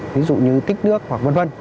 ví dụ như tích nước hoặc v v